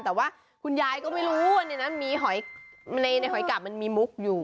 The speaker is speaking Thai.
แต่ว่าคุณยายก็ไม่รู้ว่าในหอยกาบมันมีมุกอยู่